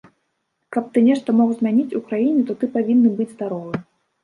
І каб ты нешта мог змяніць у краіне, то ты павінны быць здаровы.